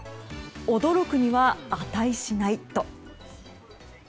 驚くには値しないと。